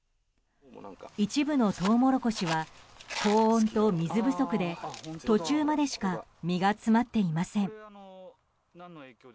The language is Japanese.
一部のトウモロコシは高温と水不足で途中までしか実が詰まっていません。